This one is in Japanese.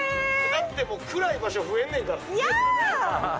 だって暗い場所増えんねんから。